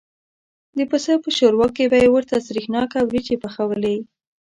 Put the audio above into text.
د پسه په شوروا کې به یې ورته سرېښناکه وریجې پخوالې.